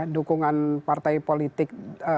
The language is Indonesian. dukungan partai politik